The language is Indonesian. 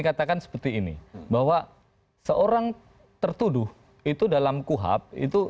aturannya harus tunduk pada kuhap